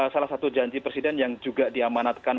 salah satu janji presiden yang juga diamanatkan